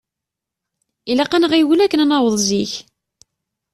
Ilaq ad nɣiwel akken ad naweḍ zik.